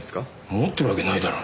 持ってるわけないだろ。